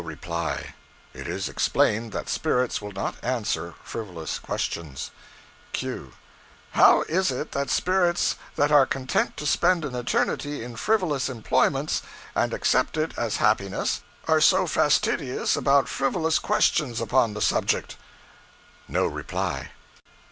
No reply. It is explained that spirits will not answer frivolous questions. Q. How is it that spirits that are content to spend an eternity in frivolous employments, and accept it as happiness, are so fastidious about frivolous questions upon the subject? No reply.